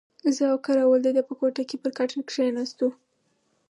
زه او کراول د ده په کوټه کې پر کټ کښېناستو.